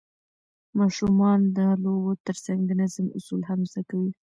ماشومان د لوبو ترڅنګ د نظم اصول هم زده کوي